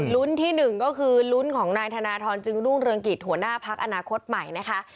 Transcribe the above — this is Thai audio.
ที่๑ก็คือลุ้นของนายธนทรจึงรุ่งเรืองกิจหัวหน้าพักอนาคตใหม่นะคะ